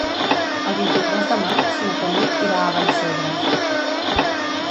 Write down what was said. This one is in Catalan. El vint-i-tres de maig na Tanit irà a Vallcebre.